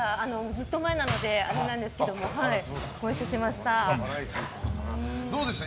ずっと前なのであれなんですけどどうでした？